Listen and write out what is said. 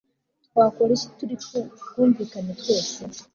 twakora iki Turi bwumvikane twese